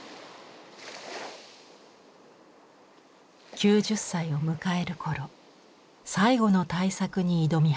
９０歳を迎える頃最後の大作に挑み始めます。